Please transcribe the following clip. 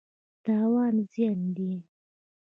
تاوان زیان دی.